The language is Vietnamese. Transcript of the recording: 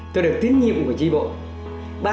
tôi được tin nhiệm của tri bộ